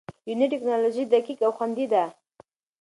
یوني ټېکنالوژي دقیق او خوندي ده.